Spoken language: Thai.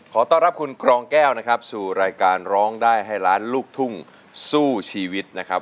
ขอต้อนรับคุณกรองแก้วนะครับสู่รายการร้องได้ให้ล้านลูกทุ่งสู้ชีวิตนะครับ